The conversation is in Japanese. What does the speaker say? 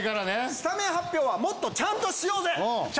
スタメン発表はもっとちゃんとしようぜ！